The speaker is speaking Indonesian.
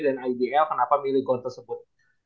dan ibl kenapa milih gol tersebut